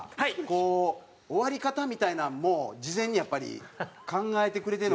こう終わり方みたいなんも事前にやっぱり考えてくれてるのかな？